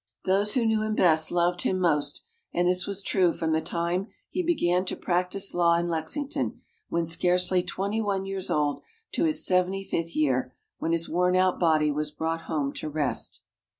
Those who knew him best loved him most, and this was true from the time he began to practise law in Lexington, when scarcely twenty one years old, to his seventy fifth year, when his worn out body was brought home to rest.